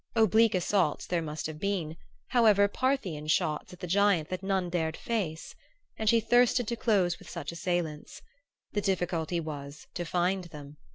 Oblique assaults there must have been, however, Parthian shots at the giant that none dared face; and she thirsted to close with such assailants. The difficulty was to find them.